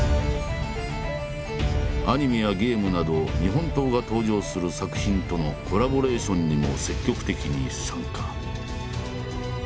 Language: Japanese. アニメやゲームなど日本刀が登場する作品とのコラボレーションにも積極的に参加。